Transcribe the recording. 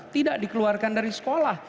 tidak dikeluarkan dari sekolah